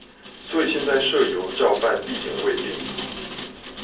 所以現在社遊照辦地點未定